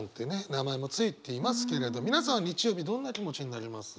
名前もついていますけれど皆さん日曜日どんな気持ちになります？